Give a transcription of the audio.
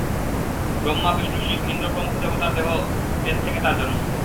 ব্রহ্মা, বিষ্ণু, শিব, ইন্দ্র প্রমুখ দেবতার দেহজ তেজ থেকে তাঁর জন্ম।